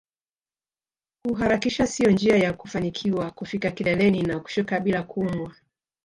Kuharakisha sio njia ya kufanikiwa kufika kileleni na kushuka bila kuumwa